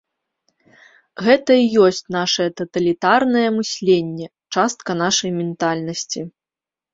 Гэта і ёсць нашае таталітарнае мысленне, частка нашай ментальнасці.